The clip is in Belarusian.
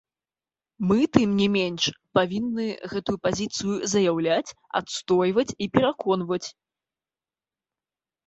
Мы, тым не менш, павінны гэтую пазіцыю заяўляць, адстойваць і пераконваць.